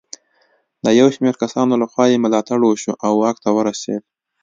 د یو شمېر کسانو له خوا یې ملاتړ وشو او واک ته ورسېد.